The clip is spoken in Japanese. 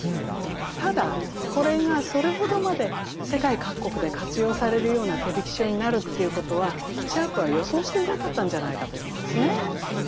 ただこれがそれほどまで世界各国で活用されるような手引書になるということはシャープは予想していなかったんじゃないかと思うんですね。